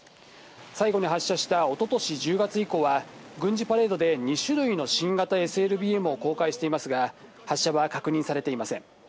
最後に発射したおととし１０月以降は、軍事パレードで２種類の新型ＳＬＢＭを公開していますが、発射は確認されていません。